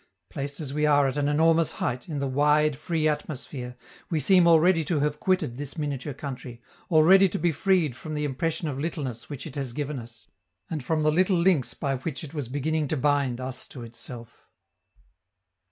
Placed as we are at an enormous height, in the wide, free atmosphere, we seem already to have quitted this miniature country, already to be freed from the impression of littleness which it has given us, and from the little links by which it was beginning to bind us to itself.